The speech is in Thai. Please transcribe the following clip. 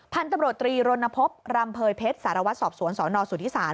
พันธุ์ตำรวจตรีรณพบรำเภยเพชรสารวัตรสอบสวนสนสุธิศาส